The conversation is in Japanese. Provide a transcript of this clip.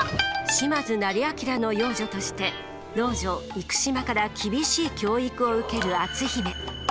島津斉彬の養女として老女幾島から厳しい教育を受ける篤姫。